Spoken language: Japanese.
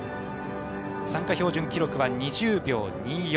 参加標準記録は２０秒２４。